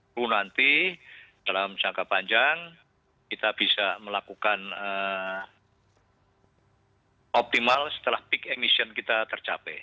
lalu nanti dalam jangka panjang kita bisa melakukan optimal setelah peak emission kita tercapai